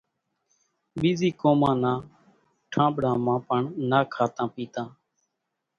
ٻيزِي قومان نان ٺانٻڙان مان پڻ نا کاتان پيتان۔